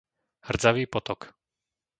Hrdzavý potok